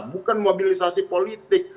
bukan mobilisasi politik